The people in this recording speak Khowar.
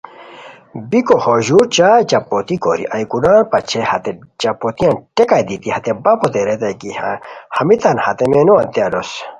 بیکو ہو ژور چائے چپوتی کوری ایوکون پاچئیے ہتے چاپوتیان ٹیکہ دیتی ہتے بپوت ریتائے کی ہمیتان ہتے مینوؤتے الوس